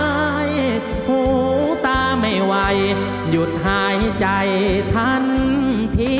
หูตาไม่ไหวหยุดหายใจทันที